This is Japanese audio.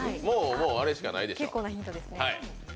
もうあれしかないでしょ。